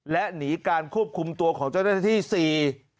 และหนีการควบคุมตัวของเจ้าหน้าที่สี่